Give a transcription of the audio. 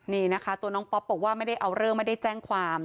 นี่นะคะตัวน้องป๊อปบอกว่าไม่ได้เอาเรื่องไม่ได้แจ้งความ